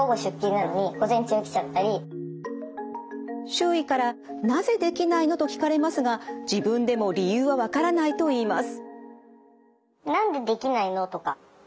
周囲から「なぜできないの？」と聞かれますが自分でも理由は分からないといいます。